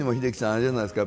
あれじゃないですか。